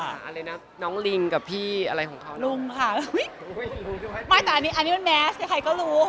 อะไรนะน้องลิงกับพี่อะไรของเขานรูค่ะ